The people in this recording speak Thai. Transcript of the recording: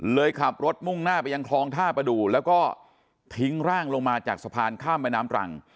ขับรถมุ่งหน้าไปยังคลองท่าประดูแล้วก็ทิ้งร่างลงมาจากสะพานข้ามแม่น้ำตรัง